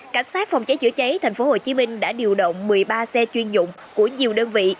cảnh sát phòng cháy chữa cháy tp hcm đã điều động một mươi ba xe chuyên dụng của nhiều đơn vị